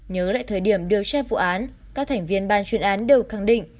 nhớ lại thời điểm điều tra vụ án các thành viên ban chuyên án đều khẳng định